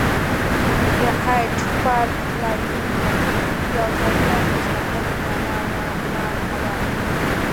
د هایډپارک لاریونونو یو ځل بیا اصلاحاتو ته لار هواره کړه.